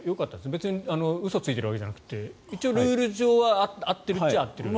別に嘘ついているわけじゃなくて一応、ルール上は合っているっちゃ合っている。